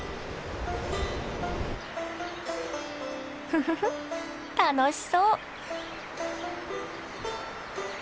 フフフフッ楽しそう。